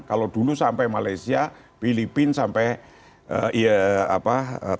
kalau dulu sampai malaysia filipina sampai